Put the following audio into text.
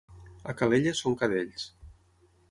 A Calella són cadells.